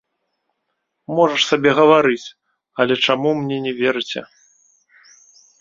Можаш сабе гаварыць, але чаму мне не верыце!